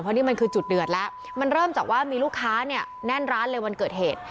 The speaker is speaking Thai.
เพราะนี่มันคือจุดเดือดแล้วมันเริ่มจากว่ามีลูกค้าเนี่ยแน่นร้านเลยวันเกิดเหตุ